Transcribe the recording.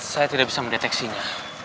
saya tidak bisa mendeteksinya